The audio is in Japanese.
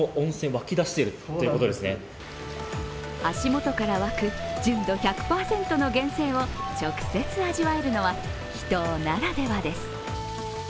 足もとから湧く純度１００％の源泉を直接味わえるのは、秘湯ならではです。